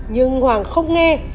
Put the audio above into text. nhưng hoàng không nghe